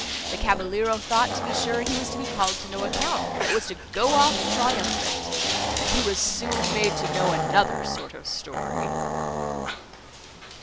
The cavaliero thought, to be sure, he was to be called to no account, but was to go off triumphant; but he was soon made to know another sort of story."